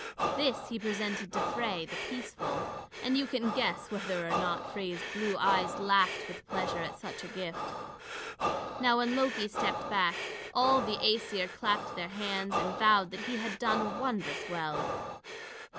This he presented to Frey the peaceful. And you can guess whether or not Frey's blue eyes laughed with pleasure at such a gift. Now when Loki stepped back, all the Æsir clapped their hands and vowed that he had done wondrous well.